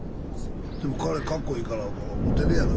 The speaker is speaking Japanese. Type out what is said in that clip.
でも彼かっこいいからモテるやろと。